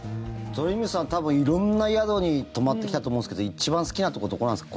鳥海さん多分色んな宿に泊まってきたと思うんですけど一番好きなところどこなんですか？